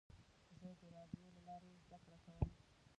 زه د راډیو له لارې زده کړه کوم.